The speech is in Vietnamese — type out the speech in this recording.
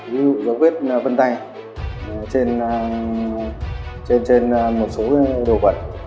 như dấu vết vân tay trên một số đồ quần